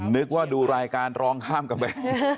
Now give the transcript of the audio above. นึกว่าดูรายการร้องข้ามกำแพง